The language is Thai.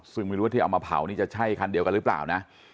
ซึ่งไม่รู้ว่าที่เอามาเผานี่จะใช่คันเดียวกันหรือเปล่านะ